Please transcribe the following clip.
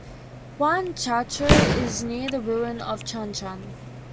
Huanchaco is near the ruin of Chan Chan.